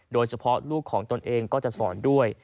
โดยเฉพาะลูกของตนเองก็จะสอนด้วย